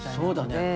そうだね。